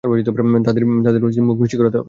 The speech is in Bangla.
তাদের মুখ মিষ্টি করাতে হবে।